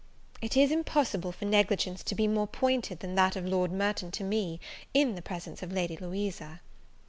It is impossible for negligence to be more pointed than that of Lord Merton to me, in the presence of Lady Louisa.